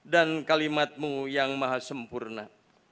dan kalimat mu yang maha sempurna